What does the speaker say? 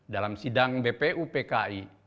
dalam sidang bpu pki